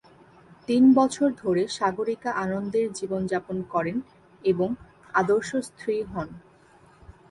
তিন বছর ধরে সাগরিকা আনন্দের জীবনযাপন করেন এবং আদর্শ স্ত্রী হন।